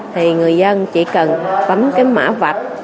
thì người dân chỉ cần bấm cái mã vạch